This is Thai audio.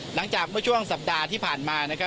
หลังจากเมื่อช่วงสัปดาห์ที่ผ่านมา